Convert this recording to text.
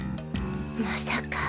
まさか。